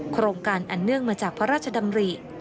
โครงการอันเนื่องมาจากพระราชดำริ